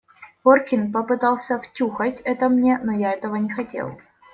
Горкин попытался втюхать это мне, но я этого не хотел.